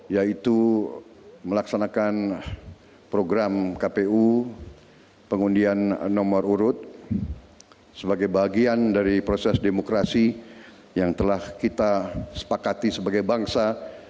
yaitu melaksanakan program kpu pengundian nomor urut sebagai bagian dari proses demokrasi yang telah kita sepakati sebagai bangsa